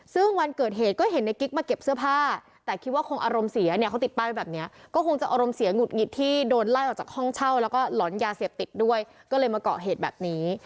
ซึ่งวันเกิดเหตุก็เห็นในกิ๊กมาเก็บเสื้อผ้าแต่คิดว่าคงอารมณ์เสียเนี่ยเขาติดป้ายแบบนี้ก็คงจะอารมณ์เสียหงุดหงิดที่โดนไล่ออกจากห้องเช่าแล้วก็หลอนยาเสพติดด้วยก็เลยมาเกาะเหตุแบบนี้